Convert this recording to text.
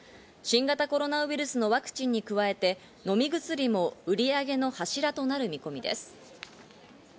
新型コロナウイルスのワクチンに加えて飲み薬も売上の柱となる見込みです。